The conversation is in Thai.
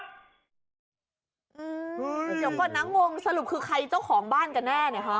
เดี๋ยวก่อนนะงงสรุปคือใครเจ้าของบ้านกันแน่นะคะ